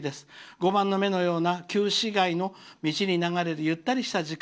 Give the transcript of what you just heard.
碁盤の目のような旧市街の道に流れるゆったりとした時間。